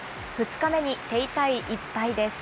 ２日目に手痛い１敗です。